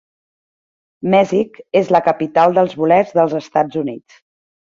Mesick és la capital dels bolets dels Estats Units.